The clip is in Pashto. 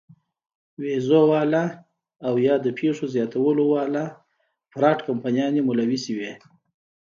وېزو واله او يا د پېسو زياتولو واله فراډ کمپنيانې ملوثې وي -